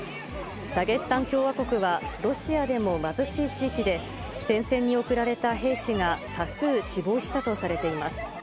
ダゲスタン共和国は、ロシアでも貧しい地域で、前線に送られた兵士が、多数死亡したとされています。